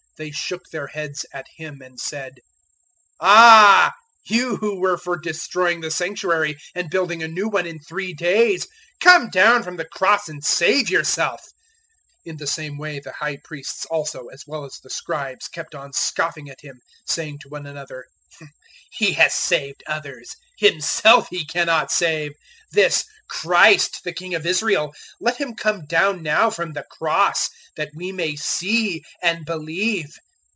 They shook their heads at Him and said, "Ah! you who were for destroying the Sanctuary and building a new one in three days, 015:030 come down from the cross and save yourself." 015:031 In the same way the High Priests also, as well as the Scribes, kept on scoffing at Him, saying to one another, "He has saved others: himself he cannot save! 015:032 This Christ, the King of Israel, let him come down now from the cross, that we may see and believe."